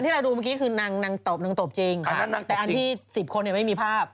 เราดูเมื่อกี้คือนางนางตบนางตบจริงแต่อันที่๑๐คนเนี่ยไม่มีภาพ